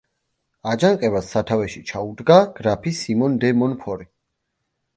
აჯანყებას სათავეში ჩაუდგა გრაფი სიმონ დე მონფორი.